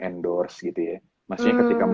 endorse gitu ya maksudnya ketika